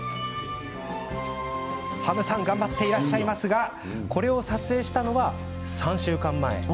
ハムさん頑張っていらっしゃるようですがこれを撮影したのは３週間前。